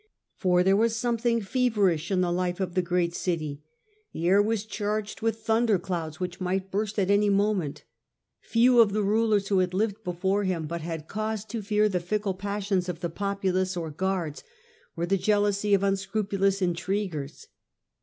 For there was something feverish in the life of the great city ; the air was charged 40 The Age of the A ntonities, a. d. with thunder clouds which might burst at any moment Few of the rulers who had lived before him but had cause to fear the fickle passions of the populace or guards, or the jealousy of unscrupulous intriguers.